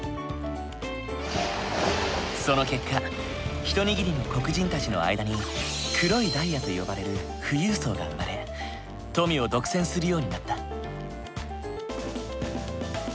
その結果一握りの黒人たちの間に黒いダイヤと呼ばれる富裕層が生まれ富を独占するようになった。